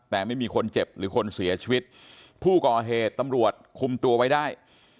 แต่ไม่มีคนเจ็บหรือคนเสียชีวิตผู้ก่อเหตุตำรวจคุมตัวไว้ได้